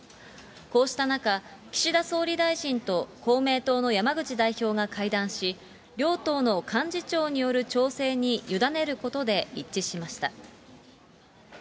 こうした中、岸田総理大臣と公明党の山口代表が会談し、両党の幹事長による調整に委ねることで一致しました。